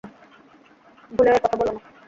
ভুলেও একথা বোলো না।